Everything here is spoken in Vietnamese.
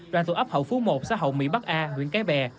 đoàn tổ ấp hậu phú một xã hậu mỹ bắc a huyện cái bè